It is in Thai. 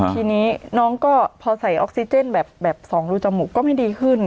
ทีนี้น้องก็พอใส่ออกซิเจนแบบ๒รูจมูกก็ไม่ดีขึ้น